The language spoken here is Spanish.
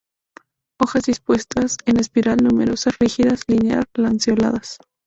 Hojas dispuestas en espiral, numerosas, rígidas, linear–lanceoladas.